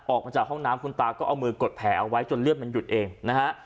ออกมาจากห้องน้ำคุณตาก็เอามือกดแผลเอาไว้จนเลือดมันหยุดเองนะฮะ